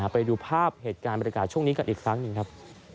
ไปดูภาพเหตุการณ์บรรยากาศช่วงนี้กันอีกครั้งหนึ่งครับ